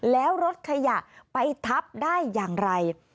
แล้วรถขยะไปทับได้อย่างไร